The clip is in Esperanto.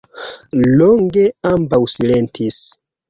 Longe ambaŭ silentis.